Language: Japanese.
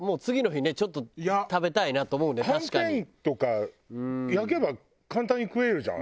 はんぺんとか焼けば簡単に食えるじゃん。